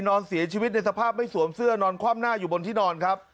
นอนเสียชีวิตในสภาพไม่สวมเสื้อนอนคว่ำหน้าอยู่บนที่นอนครับ